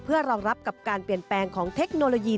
เพื่อรองรับกับการเปลี่ยนแปลงของเทคโนโลยี